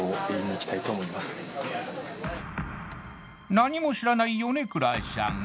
何も知らない米倉さん